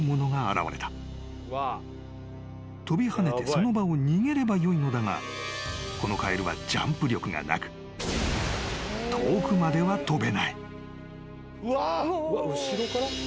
［飛び跳ねてその場を逃げればよいのだがこのカエルはジャンプ力がなく遠くまでは跳べない］